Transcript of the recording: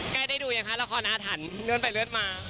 ใกล้ได้ดูยังคะละครอาถรรพ์เลื่อนไปเลื่อนมา